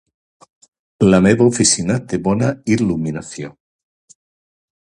La meva oficina té bona il·luminació.